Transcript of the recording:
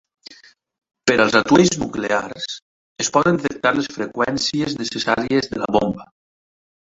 Per als atuells nuclears, es poden detectar les freqüències necessàries de la bomba.